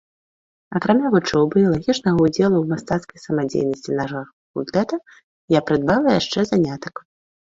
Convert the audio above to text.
Акрамя вучобы і лагічнага ўдзелу ў мастацкай самадзейнасці нашага факультэта, я прыдбала яшчэ занятак.